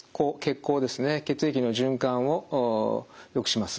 血液の循環をよくします。